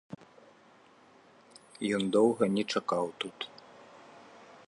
Ён доўга не чакаў тут.